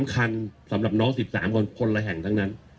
คันสำหรับน้อง๑๓คนคนละแห่งทั้งนั้น